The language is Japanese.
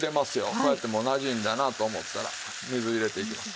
こうやってもうなじんだなと思ったら水入れていきます。